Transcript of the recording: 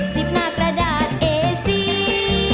หน้ากระดาษเอซี